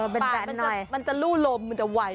แต่มันจะลู่ลมมันจะไว